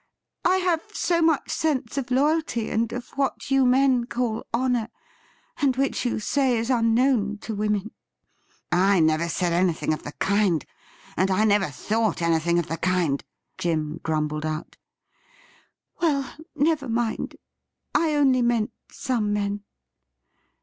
I have so much sense of loyalty and of what you men call honour — and which you say is unknown to women '' I never said anything of the kind, and I never thought anything of the kind,' Jim grumbled out. ' Well, never mind ; I only meant some men.